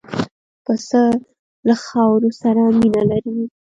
پسه له خاورو سره مینه لري.